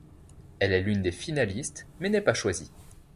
Elle est l'une des finalistes mais n'est pas choisie.